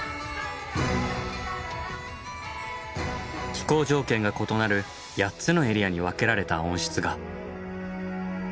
気候条件が異なる８つのエリアに分けられた温室が。